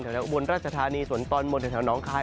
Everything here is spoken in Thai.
แถวอุบลราชธานีส่วนตอนบนแถวน้องคาย